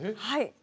はい。